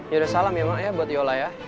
yaudah salam ya mak ya buat yola ya